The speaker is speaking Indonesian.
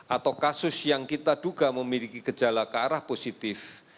atau kasus yang kita duga memiliki kejala kearah positif